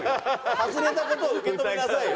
外れた事を受け止めなさいよ。